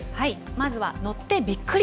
まずは乗ってびっくり！